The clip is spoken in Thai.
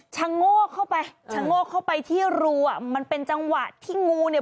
โงกเข้าไปชะโงกเข้าไปที่รูอ่ะมันเป็นจังหวะที่งูเนี่ย